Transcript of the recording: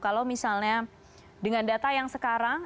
kalau misalnya dengan data yang sekarang